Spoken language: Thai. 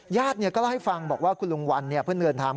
ญาติก็เล่าให้ฟังบอกว่าคุณลุงวันเพื่อนเดินทาง